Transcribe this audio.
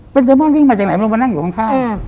เป็นเซมอนวิ่งมาจากไหนไม่รู้มานั่งอยู่ข้าง